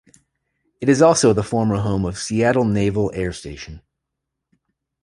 It is also the former home of Seattle Naval Air Station.